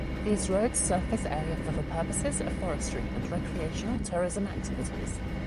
These roads serve this area for the purposes of forestry and recreational tourism activities.